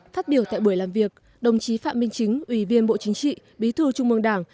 phát biểu tại buổi làm việc đồng chí phạm minh chính ủy viên bộ chính trị bí thư trung mương đảng